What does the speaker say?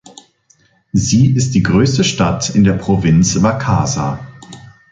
Sie ist die größte Stadt in der Provinz Wakasa.